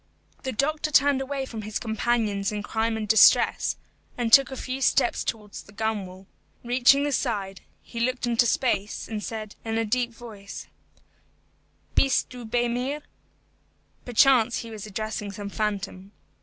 The doctor turned away from his companions in crime and distress, and took a few steps towards the gunwale. Reaching the side, he looked into space, and said, in a deep voice, "Bist du bei mir?" Perchance he was addressing some phantom.